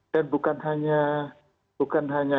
dan bukan hanya